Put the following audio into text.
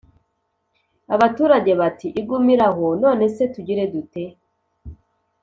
Abaturage bati: "Igumire aho, none se tugire dute?